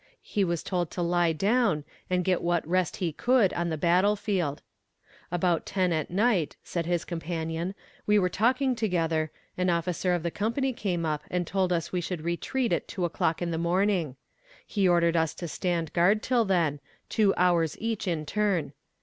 He was told to lie down, and get what rest he could on the battle field. About ten at night, said his companion, as we were talking together, an officer of the company came up, and told us we should retreat at two o'clock in the morning. He ordered us to stand guard till then, two hours each in turn.